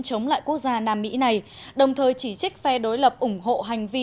chống lại quốc gia nam mỹ này đồng thời chỉ trích phe đối lập ủng hộ hành vi